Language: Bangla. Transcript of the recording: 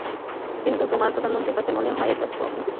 কিন্তু তোমার প্রধানমন্ত্রীর কাছে মনে হয় না এটা কম কিছু।